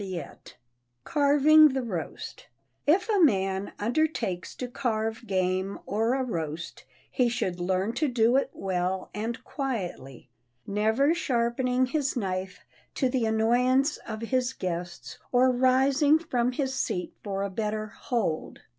[Sidenote: CARVING THE ROAST] If a man undertakes to carve game or a roast he should learn to do it well and quietly, never sharpening his knife to the annoyance of his guests or rising from his seat for a better "hold."